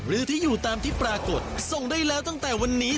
หรือที่อยู่ตามที่ปรากฏส่งได้แล้วตั้งแต่วันนี้